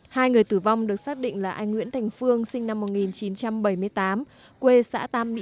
hai người tử vong được xác định là anh nguyễn thành phương sinh năm một nghìn chín trăm bảy mươi tám quê xã tam mỹ